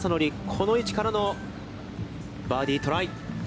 この位置からのバーディートライ。